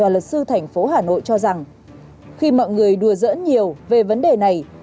luật sư thành phố hà nội cho rằng khi mọi người đùa dỡ nhiều về vấn đề này